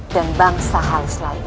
dan bangsa halis lainnya